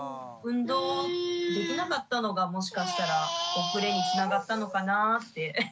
運動できなかったのがもしかしたら遅れにつながったのかなぁって。